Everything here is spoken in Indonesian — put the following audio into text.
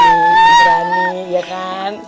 pemeranin ya kan